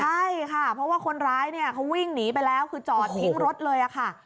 ใช่ค่ะเพราะว่าคนร้ายเนี่ยเขาวิ่งหนีไปแล้วคือจอดทิ้งรถเลยค่ะ